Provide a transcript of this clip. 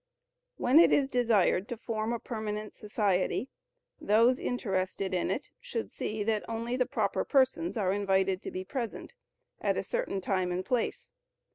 When it is desired to form a permanent society, those interested in it should see that only the proper persons are invited to be present, at a certain time and place.